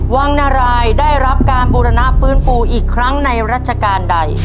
วังนารายได้รับการบูรณะฟื้นฟูอีกครั้งในรัชกาลใด